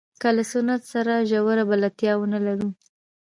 که له سنت سره ژوره بلدتیا ونه لرو.